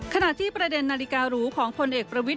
ขณะที่ประเด็นนาฬิการูของพลเอกประวิทย